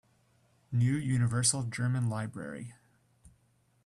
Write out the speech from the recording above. New Universal German Library